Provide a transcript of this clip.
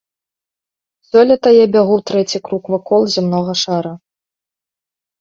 Сёлета я бягу трэці круг вакол зямнога шара.